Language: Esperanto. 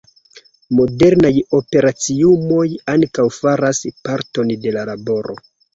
Modernaj operaciumoj ankaŭ faras parton de la laboro.